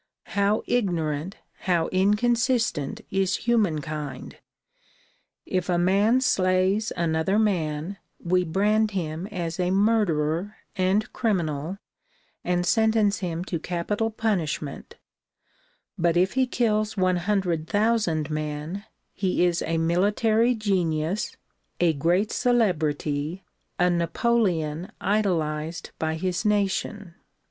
How ignorant, how inconsistent is humankind ! If a man slays another man, we brand him as a murderer and criminal and sentence him to capital punishment but if he kills one hundred thousand men he is a military genius, a great celebrity, a Napoleon idolized by his nation.